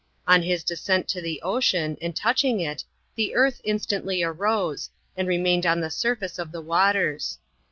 On his descent to the ocean, and touch ing it, the earth instantly arose, and relnained on the surface of the waters.